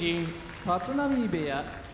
立浪部屋